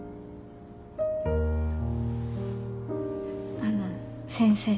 あの先生。